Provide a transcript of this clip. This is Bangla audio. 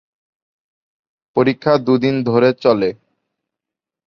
পরীক্ষা দু'দিন ধরে চলে।